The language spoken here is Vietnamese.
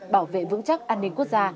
bảo vệ vững chắc an ninh quốc gia